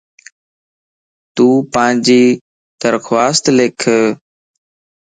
تون پانجي درخواست لک